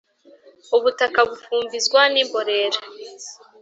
Ubutaka bufumbizwa n’imborera